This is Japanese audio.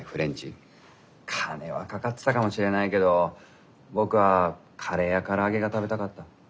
金はかかってたかもしれないけど僕はカレーやから揚げが食べたかった。